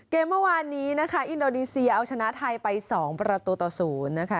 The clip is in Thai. เกมเมื่อวานนี้นะคะอินโดนีเซียเอาชนะไทยไป๒ประตูต่อ๐นะคะ